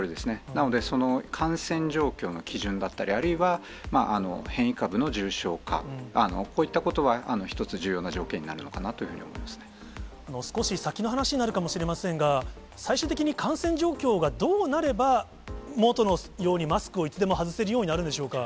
なので、その感染状況の基準だったり、あるいは、変異株の重症化、こういったことは一つ重要な条件になるのかなというふうに思いま少し先の話になるかもしれませんが、最終的に感染状況がどうなれば、もとのようにマスクをいつでも外せるようになるんでしょうか。